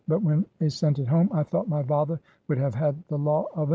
But when a sent it home, I thought my vather would have had the law of un.